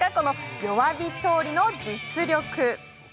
弱火調理の実力。